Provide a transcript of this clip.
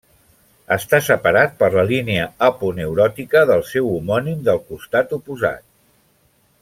Està separat per la línia aponeuròtica del seu homònim del costat oposat.